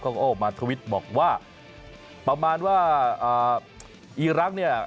เขาก็ออกมาทวิตบอกว่าประมาณว่าอีรักษณ์เนี่ย